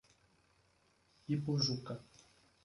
Ipojuca